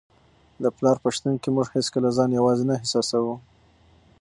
د پلار په شتون کي موږ هیڅکله ځان یوازې نه احساسوو.